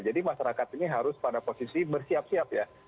jadi masyarakat ini harus pada posisi bersiap siap ya